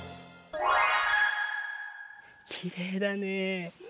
きれいだね。